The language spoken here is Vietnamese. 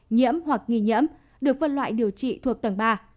nhiễm hoặc nghi nhiễm được phân loại điều trị thuộc tầng ba